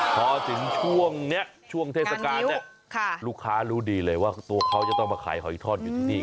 พอถึงช่วงนี้ช่วงเทศกาลเนี่ยลูกค้ารู้ดีเลยว่าตัวเขาจะต้องมาขายหอยทอดอยู่ที่นี่